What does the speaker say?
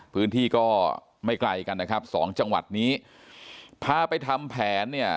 พื้นที่ก็ไม่ไกลกันนะครับสองจังหวัดนี้พาไปทำแผนเนี่ย